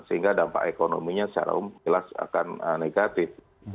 sehingga dampak ekonominya secara umum jelas akan negatif